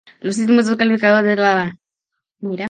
Los últimos dos clasificados descendían al grupo "Silver".